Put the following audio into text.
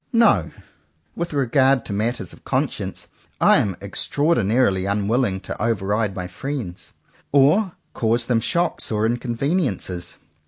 No: with regard to matters of conscience, I am extraordinarily unwilling to over ride my friends, or cause them shocks or in conveniences.